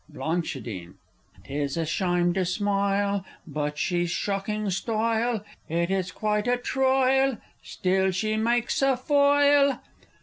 Bl. 'Tis a shime to smoile, But she's shocking stoyle, It is quite a troyal, Still she mikes a foil!